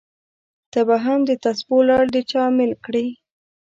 ته به هم دتسبو لړ د چا امېل کړې!